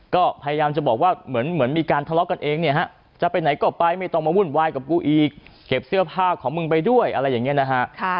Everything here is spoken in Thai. ก็พยายามจะบอกว่าเหมือนมีการทะเลาะกันเองเนี่ยฮะจะไปไหนก็ไปไม่ต้องมาวุ่นวายกับกูอีกเก็บเสื้อผ้าของมึงไปด้วยอะไรอย่างนี้นะฮะ